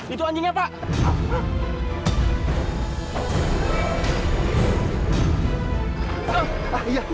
itu anjingnya pak